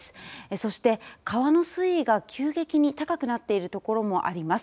そして、川の水位が急激に高くなっているところもあります。